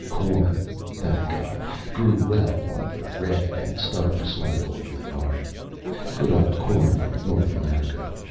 Corn, thank God, grew well on the red and stubborn soil of Layard good old corn from North America.